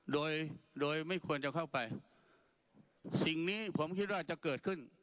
โดยโดยไม่ควรจะเข้าไปสิ่งนี้ผมคิดว่าจะเกิดขึ้น